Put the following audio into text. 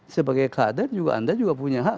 sebagai kader anda juga punya hak